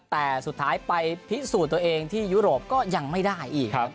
แต่สุดท้ายไปพิสูจน์ตัวเองที่ยุโรปก็ยังไม่ได้อีก